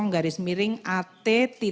garis miring at satu satu